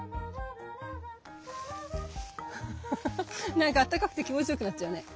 なんかあったかくて気持ち良くなっちゃうね。